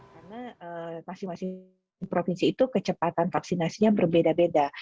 di provinsi itu kecepatan vaksinasinya berbeda beda